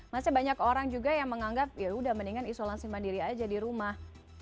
masih banyak orang juga yang menganggap ya udah mendingan isolasi mandiri aja di rumah